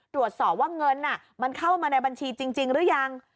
ตรวจสอบว่าเงินมันเข้ามาในบัญชีจริงหรือยัง